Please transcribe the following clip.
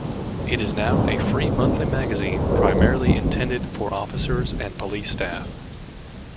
It is now a free monthly magazine primarily intended for officers and police staff.